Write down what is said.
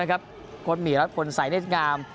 ก็ต้องมีลับผลใส่เน็ตชื่อ